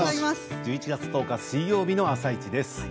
１１月１０日水曜日の「あさイチ」です。